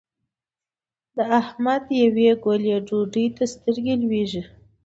د احمد يوې ګولې ډوډۍ ته سترګې لوېږي.